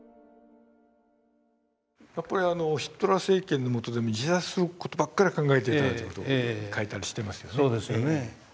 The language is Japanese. やっぱりあのヒトラー政権のもとで自殺する事ばっかり考えていたという事を書いたりしてますよね。